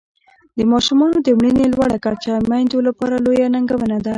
د ماشومانو د مړینې لوړه کچه میندو لپاره لویه ننګونه ده.